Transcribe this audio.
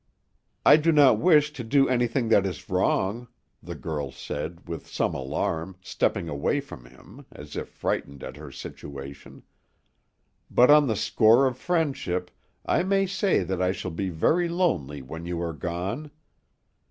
"I do not wish to do anything that is wrong," the girl said, with some alarm, stepping away from him, as if frightened at her situation; "but on the score of friendship, I may say that I shall be very lonely when you are gone.